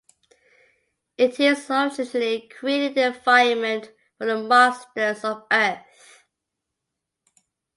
It is an artificially created environment for the monsters of Earth.